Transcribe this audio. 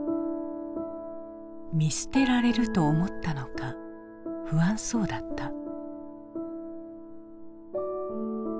見捨てられると思ったのか不安そうだった。